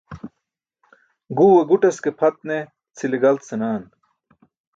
Guwe guṭas ke pʰat ne cʰile galt senaan.